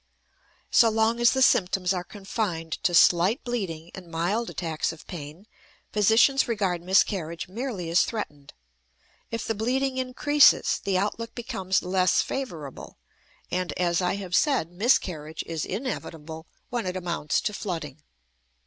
So long as the symptoms are confined to slight bleeding and mild attacks of pain, physicians regard miscarriage merely as threatened. If the bleeding increases, the outlook becomes less favorable, and, as I have said, miscarriage is inevitable when it amounts to flooding.